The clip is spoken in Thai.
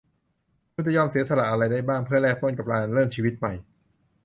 "คุณจะยอมเสียสละอะไรได้บ้างเพื่อแลกกับการเริ่มต้นชีวิตใหม่ ?"